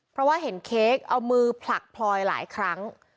เพราะว่าเห็นเค้กเอามือผลักพลอยหลายครั้ง